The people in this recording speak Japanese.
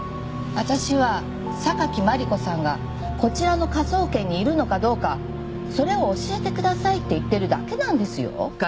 私は榊マリコさんがこちらの科捜研にいるのかどうかそれを教えてくださいって言ってるだけなんですよ。